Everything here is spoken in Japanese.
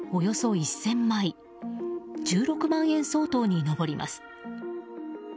１６万円相当に上ります。